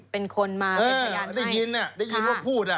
เป็นคนมามีพยานให้ได้ยินน่ะได้ยินว่าพูด